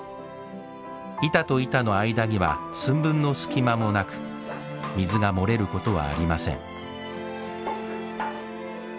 板と板の間には寸分の隙間もなく水が漏れることはありません。